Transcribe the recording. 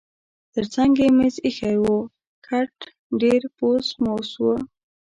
ترڅنګ یې مېز اییښی و، کټ ډېر پوس موس و.